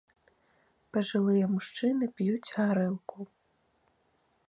Пажылыя мужчыны п'юць гарэлку.